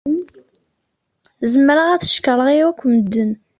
Zemreɣ ad t-cekṛeɣ i wakk medden.